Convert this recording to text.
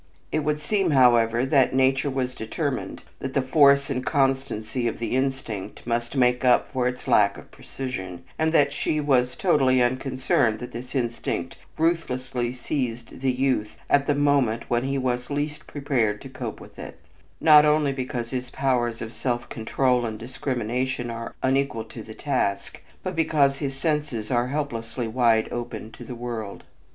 It would seem, however, that nature was determined that the force and constancy of the instinct must make up for its lack of precision, and that she was totally unconcerned that this instinct ruthlessly seized the youth at the moment when he was least prepared to cope with it; not only because his powers of self control and discrimination are unequal to the task, but because his senses are helplessly wide open to the world.